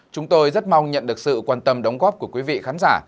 chúng tôi rất mong nhận được sự quan tâm đóng góp của quý vị khán giả